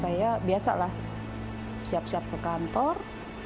saya biasa lah siap siap ke kantor